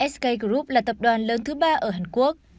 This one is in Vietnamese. sk group là tập đoàn lớn thứ ba ở hàn quốc